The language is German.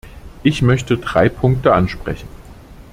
Ich möchte drei Punkte ansprechen.